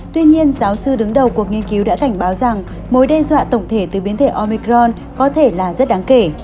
tuy nhiên giáo sư đứng đầu cuộc nghiên cứu đã cảnh báo rằng mối đe dọa tổng thể từ biến thể omicron có thể là rất đáng kể